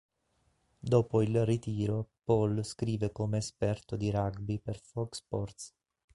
Dopo il ritiro Paul scrive come esperto di rugby per Fox Sports.